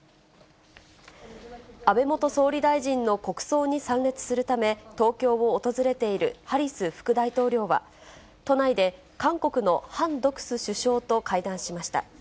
安倍元総理大臣の国葬に参列するため、東京を訪れているハリス副大統領は、都内で韓国のハン・ドクス首相と会談しました。